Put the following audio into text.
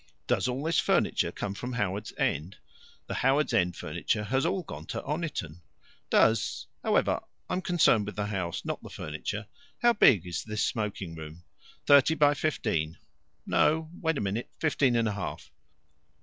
"Does all this furniture come from Howards End?" "The Howards End furniture has all gone to Oniton." "Does However, I'm concerned with the house, not the furniture. How big is this smoking room?" "Thirty by fifteen. No, wait a minute. Fifteen and a half?."